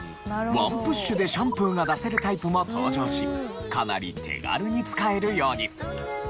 ワンプッシュでシャンプーが出せるタイプも登場しかなり手軽に使えるように。